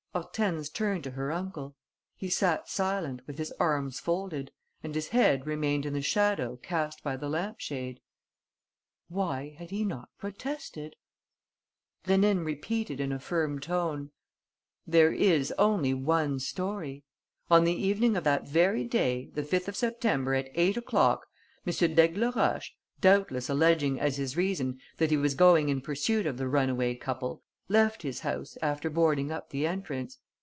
Hortense turned to her uncle. He sat silent, with his arms folded; and his head remained in the shadow cast by the lamp shade. Why had he not protested? Rénine repeated in a firm tone: "There is only one story. On the evening of that very day, the 5th of September at eight o'clock, M. d'Aigleroche, doubtless alleging as his reason that he was going in pursuit of the runaway couple, left his house after boarding up the entrance.